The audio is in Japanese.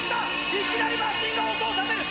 いきなりマシンが音を立てる！